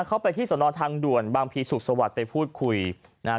เข้าไปที่สนทางด่วนบางพีสุขสวัสดิ์ไปพูดคุยนะฮะ